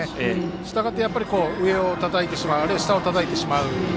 したがって、上をたたいてしまうあるいは、下をたたいてしまう。